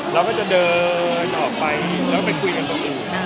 เราก็จะเดินออกไปแล้วไปคุยกันตรงอื่น